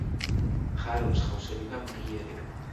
ხარობს ხავსები და მღიერები.